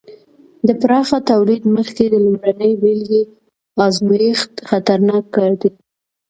د پراخه تولید مخکې د لومړنۍ بېلګې ازمېښت خطرناک کار دی.